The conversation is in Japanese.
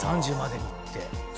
３０までにって。